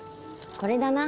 これだな。